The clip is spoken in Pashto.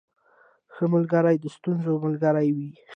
• ښه ملګری د ستونزو ملګری وي.